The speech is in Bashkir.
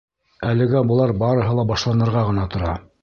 Әлегә былар барыһы ла башланырға ғына тора.